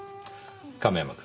亀山君。